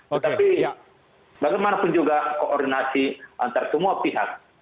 tetapi bagaimanapun juga koordinasi antara semua pihak